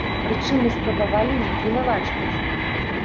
Прычым, мы спрабавалі не абвінавачваць.